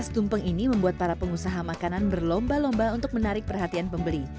tumpeng ini membuat para pengusaha makanan berlomba lomba untuk menarik perhatian pembeli